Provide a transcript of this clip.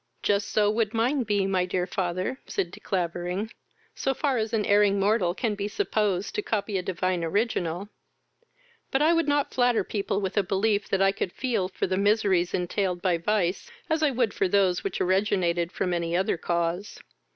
"Just so would mine be, my dear father, (said De Clavering,) so far as an erring mortal can be supposed to copy a divine original; but I would not flatter people with a belief that I could feel for the miseries entailed by vice as I would for those which originated from any other cause.